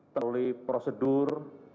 terlihat oleh prosedur